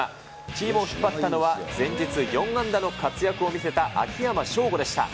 チームを引っ張ったのは前日、４安打の活躍を見せた秋山翔吾でした。